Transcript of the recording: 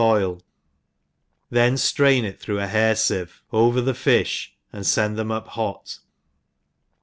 boil, then ilrain it through a hair fieve, over the fifli, and fend them up hot.